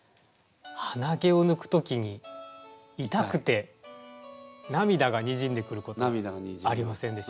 はなげを抜く時にいたくてなみだがにじんでくることありませんでしょうか？